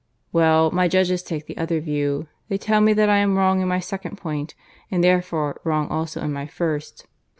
Well, my judges take the other view. They tell me that I am wrong in my second point, and therefore wrong also in my first.